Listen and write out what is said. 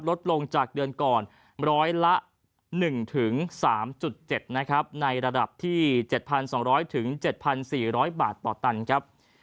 ลดลงจากเดือนก่อนร้อยละหนึ่งถึงสามจุดเจ็ดนะครับในระดับที่เจ็ดพันสองร้อยถึงเจ็ดพันสี่ร้อยบาทต่อตันครับ